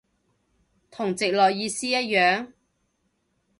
同直落意思一樣？